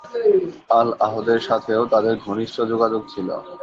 আল-আহদের সাথেও তাদের ঘনিষ্ঠ যোগাযোগ ছিল।